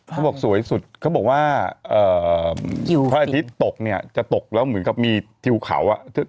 เขาบอกสวยสุดเขาบอกว่าพระอาทิตย์ตกเนี่ยจะตกแล้วเหมือนกับมีทิวเขา